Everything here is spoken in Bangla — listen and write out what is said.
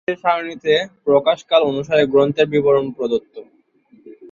নিচের সারণীতে প্রকাশকাল অনুসারে গ্রন্থের বিবরণ প্রদত্ত।